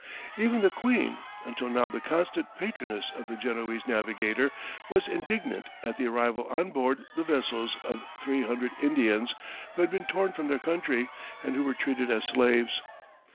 Even the queen, until now the constant patroness of the Genoese navigator, was indignant at the arrival on board the vessels of three hundred Indians who had been torn from their country, and who were treated as slaves.